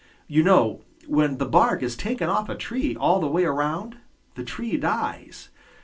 You know, when the bark is taken off a tree all the way around, the tree dies.